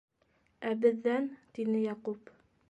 - Ә беҙҙән? - тине Яҡуп.